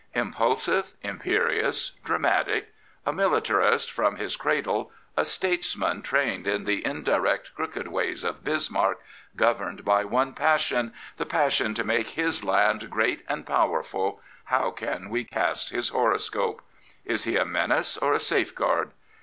Impulsive, imperious, dramatic, a militarist from his cradle, a statesman trained in " the indirect, crooked ways '' of Bismarck, governed by one passion, the passion to make his land great and powerful, how can we cast his horoscope? Is he a menace or a safe guard?